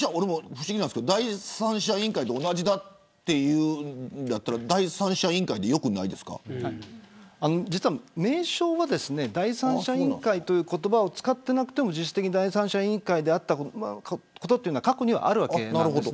第三者委員会と同じだというのだったら実は名称は第三者委員会という言葉を使っていなくても実質的に第三者委員会だったことは過去にあるわけです。